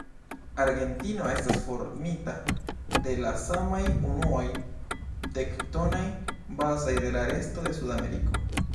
Argentino estas formita de la samaj unuoj tektonaj bazaj de la resto de Sudameriko.